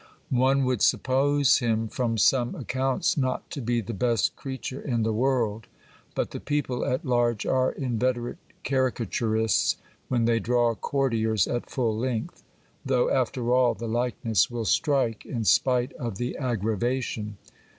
One would suppose him, from some ac counts, not to be the best creature in the world ; but the people at large are inveterate caricaturists when they draw courtiers at full length ; though, after all, the likeness will strike, in spite of the aggravation.